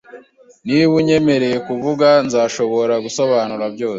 Niba unyemereye kuvuga, nzashobora gusobanura byose.